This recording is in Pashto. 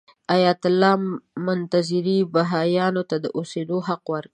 ایت الله منتظري بهايانو ته د اوسېدو حق ورکړ.